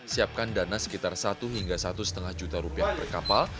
siapkan dana sekitar satu hingga satu lima juta rupiah per kapal